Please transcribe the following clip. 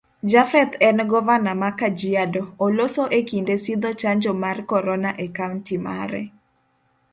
Japheth en govana ma kajiado, oloso ekinde sidho chanjo mar corona e kaunti mare.